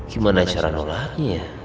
gimana caranya nolaknya